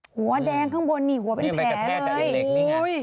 หัวแดงข้างบนนี่หัวเป็นแผลเลยนี่มันไปกระแทกจากเอ็นเหล็กนี่ไง